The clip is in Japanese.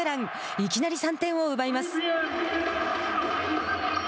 いきなり３点を奪います。